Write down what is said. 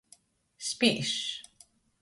Spīžs.